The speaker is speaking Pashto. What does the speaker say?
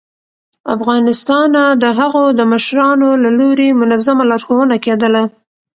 ه افغانستانه د هغو د مشرانو له لوري منظمه لارښوونه کېدله